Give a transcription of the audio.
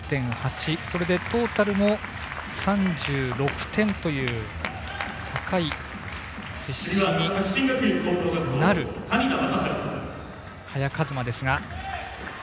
トータルも３６点という高い実施になる萱和磨ですが。